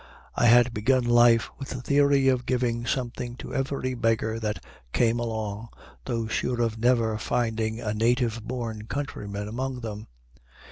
I had begun life with the theory of giving something to every beggar that came along, though sure of never finding a native born countryman among them.